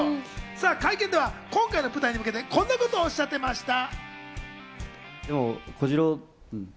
さぁ会見では今回の舞台に向けて、こんなことをおっしゃっていました。